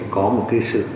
có một cái sự cảnh giác